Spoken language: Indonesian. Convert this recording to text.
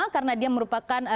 karena dia merupakan